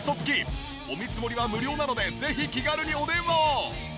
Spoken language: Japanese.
お見積もりは無料なのでぜひ気軽にお電話を！